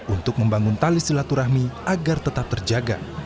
untuk membangun tali silaturahmi agar tetap terjaga